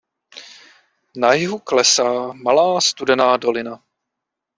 Na jihu klesá Malá Studená dolina.